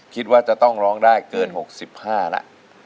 คิดว่าจะต้องร้องได้เกินหกสิบห้าละ